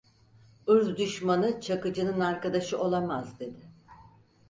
Irz düşmanı Çakıcı'nın arkadaşı olamaz, dedi.